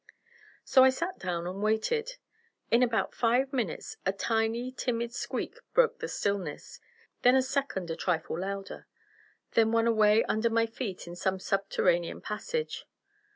So I sat down and waited. In about five minutes a tiny, timid squeak broke the stillness, then a second a trifle louder, then one away under my feet in some subterranean passage.